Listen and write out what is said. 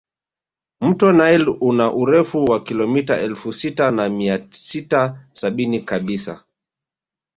Mto nile una urefu wa kilomita elfu sita na mia sita sabini kabisa